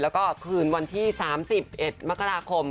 แล้วก็คืนวันที่๓๑มกราคม